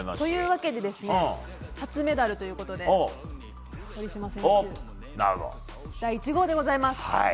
というわけで初メダルということで堀島選手、第１号でございます。